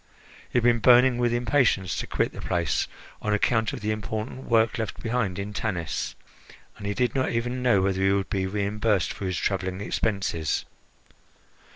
He had been burning with impatience to quit the place, on account of the important work left behind in Tanis, and he did not even know whether he would be reimbursed for his travelling expenses.